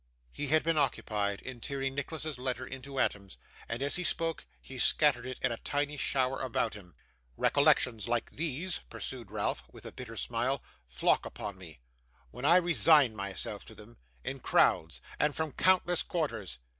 He had been occupied in tearing Nicholas's letter into atoms; and as he spoke, he scattered it in a tiny shower about him. 'Recollections like these,' pursued Ralph, with a bitter smile, 'flock upon me when I resign myself to them in crowds, and from countless quarters.